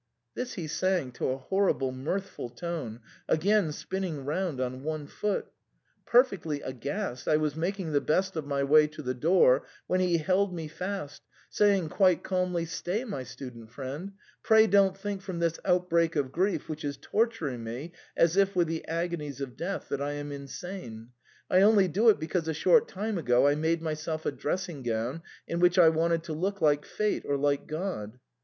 This he sang to a horrible mirthful tune, again spinning round on one foot. Perfectly aghast, I was making the best of my way to the door, when he held me fast, saying quite calmly, "Stay, my student friend, pray don't think from this outbreak of grief, which is tor turing me as if with the agonies of death, that I am insane ; I only do it because a short time ago I made myself a dressing gown in which I wanted to look like Fate or like God